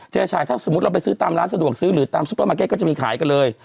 ชายถ้าสมมุติเราไปซื้อตามร้านสะดวกซื้อหรือตามซุปเปอร์มาร์เก็ตก็จะมีขายกันเลย